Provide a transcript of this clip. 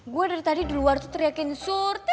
gue dari tadi di luar teriakin surti